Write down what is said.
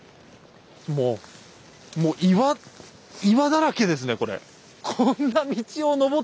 もうもう岩岩だらけですねこれ。